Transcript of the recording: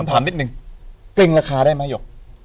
ถามนิดนึงเกรงราคาได้ไหมหยก